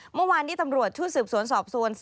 เมื่อวานนี้ตำรวจชุดสืบสวนสอบสวน